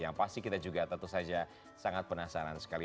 yang pasti kita juga tentu saja sangat penasaran sekali